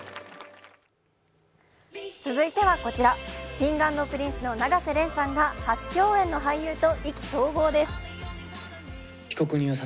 Ｋｉｎｇ＆Ｐｒｉｎｃｅの永瀬廉さんが初共演の俳優と意気投合です。